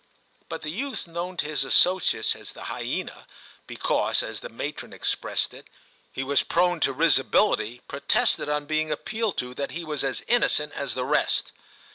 But the youth known to his associates as the hyena because, as the matron expressed it, he was 'prone to risibility,' protested, on being appealed to, that he was as innocent as the rest.